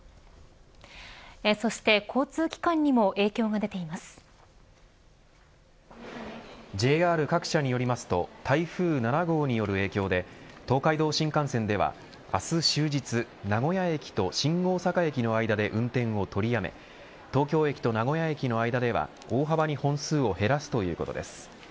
そして交通機関にもＪＲ各社によりますと台風７号による影響で東海道新幹線では明日終日名古屋駅と新大阪駅の間で運転を取りやめ東京駅と名古屋駅の間では大幅に本数を減らすということです。